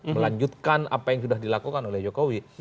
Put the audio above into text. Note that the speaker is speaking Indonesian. melanjutkan apa yang sudah dilakukan oleh jokowi